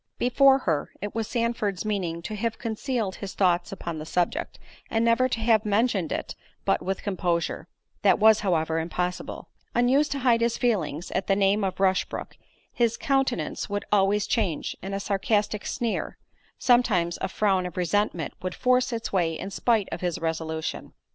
Before her, it was Sandford's meaning to have concealed his thoughts upon the subject, and never to have mentioned it but with composure; that was, however, impossible—unused to hide his feelings, at the name of Rushbrook, his countenance would always change, and a sarcastic sneer, sometimes a frown of resentment, would force its way in spite of his resolution.